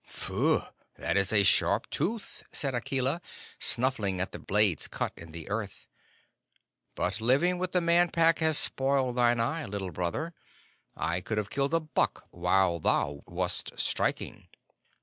"Phff! That is a sharp tooth," said Akela, snuffing at the blade's cut in the earth, "but living with the Man Pack has spoiled thine eye, Little Brother. I could have killed a buck while thou wast striking."